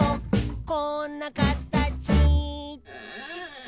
「こんなかたち」